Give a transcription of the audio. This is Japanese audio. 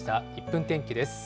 １分天気です。